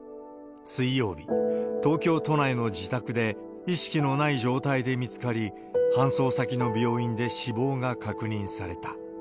水曜日、東京都内の自宅で意識のない状態で見つかり、搬送先の病院で死亡が確認された。